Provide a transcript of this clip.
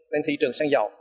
lên thị trường xăng dầu